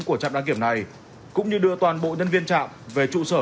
của trạm đăng kiểm này cũng như đưa toàn bộ nhân viên trạm về trụ sở